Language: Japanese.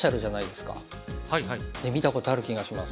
で見たことある気がします。